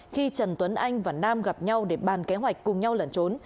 khi trần tuấn anh và nam gặp nhau để bàn kế hoạch cùng nhau lẩn trốn